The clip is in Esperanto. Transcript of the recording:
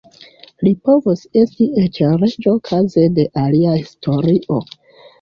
Li povus esti eĉ reĝo kaze de alia historio.